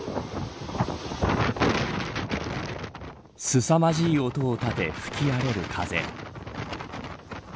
すさまじい音を立て吹き荒れる風。